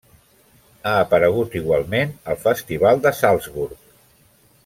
Ha aparegut igualment al Festival de Salzburg.